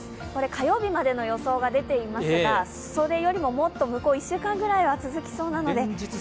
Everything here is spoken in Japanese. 火曜日までの予想が出ていますが、それよりももっと向こう１週間ぐらいは続きそうなので。